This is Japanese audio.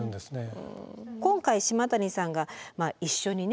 今回島谷さんが一緒にね